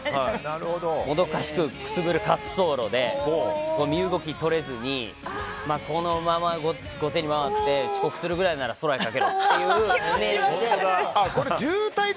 もどかしく燻る滑走路で身動き取れずにこのまま後手に回って遅刻するぐらいなら「空へカケろ」っていうイメージで。